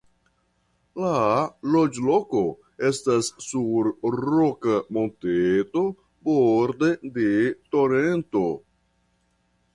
La loĝloko estas sur roka monteto borde de torento.